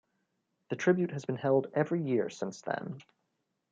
The tribute has been held every year since then.